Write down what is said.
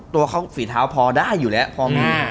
ตัวเขาฝีเท้าพอได้อยู่แล้วพอมี